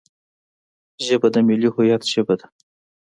ژبه د ملي هویت ژبه ده